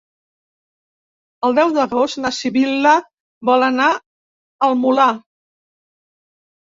El deu d'agost na Sibil·la vol anar al Molar.